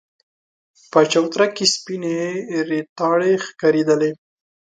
په چوتره کې سپينې ريتاړې ښکارېدلې.